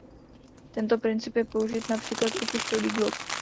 Tento princip je použit například u pistolí Glock.